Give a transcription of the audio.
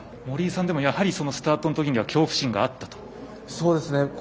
森さんでも、やはりスタートの恐怖心があったとそうですね。